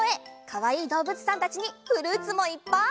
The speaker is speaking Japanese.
かわいいどうぶつさんたちにフルーツもいっぱい！